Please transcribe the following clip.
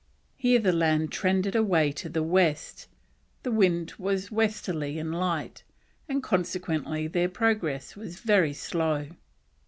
Here the land trended away to the west; the wind was westerly and light, and consequently their progress was very slow.